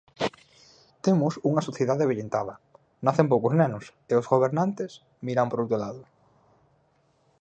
Temos unha sociedade avellentada; nacen poucos nenos e os gobernantes miran para outro lado.